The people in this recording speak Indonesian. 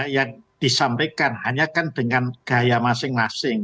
yang disampaikan hanya kan dengan gaya masing masing